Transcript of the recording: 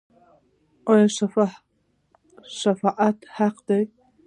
آیا شفاعت حق دی؟